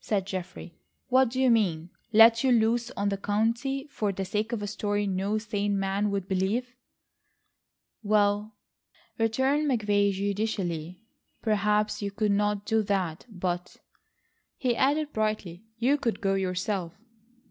said Geoffrey. "What do you mean? Let you loose on the county for the sake of a story no sane man would believe?" "Well," returned McVay judicially, "perhaps you could not do that, but," he added brightly, "you could go yourself."